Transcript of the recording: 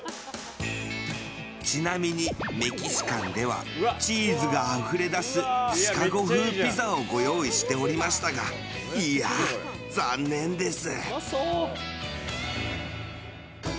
ちなみにメキシカンではチーズがあふれ出すシカゴ風ピザをご用意しておりましたがいや、残念です。